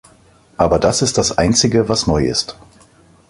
Aber das ist das einzige, was neu ist.